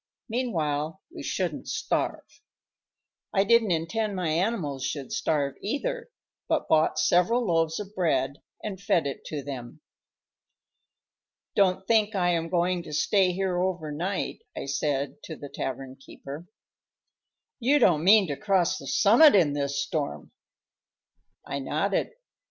Meanwhile we shouldn't starve. I didn't intend my animals should starve, either, but bought several loaves of bread and fed it to them. "Don't think I am going to stay here over night," I said to the tavern keeper. "You don't mean to cross the summit in this storm!" I nodded.